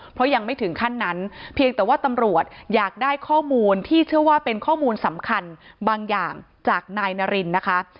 เพราะยังไม่ถึงขั้นนั้นเพียงแต่ว่าตำรวจอยากได้ข้อมูลที่เชื่อว่าเป็นข้อมูลสำคัญบางอย่างจากนายนารินนะคะ